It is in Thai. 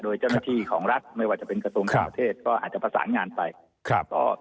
โดยเจ้าหน้าที่ของรัฐไม่ว่าจะเป็นกระทรวงต่างประเทศก็อาจจะประสานงานไปต่อ